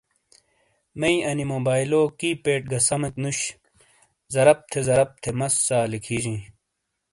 میئ انی موبائلو کی پیڈ گہ سمیک نُش۔ زرپ تھے زرپ تھے مسا لکھِجِیں۔